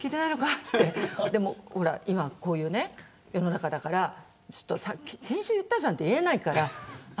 でも今、こういう世の中だから先週言ったじゃんと言えないから。